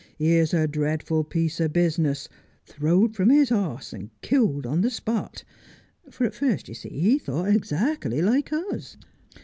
Here's a dreadful piece of business — throw'd from his hoss and killed on the spot,' for at first you see, he thought azackly like us.